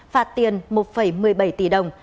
phạt tiền một một mươi bảy tỷ đồng